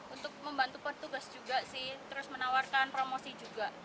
untuk membantu petugas juga sih terus menawarkan promosi juga